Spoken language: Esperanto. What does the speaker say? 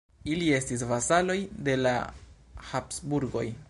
Ili estis vasaloj de la Habsburgoj.